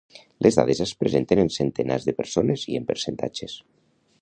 Les dades es presenten en centenars de persones i en percentatges.